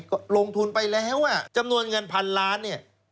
ก็ลงทุนไปแล้วจำนวนเงินพันล้านเนี่ย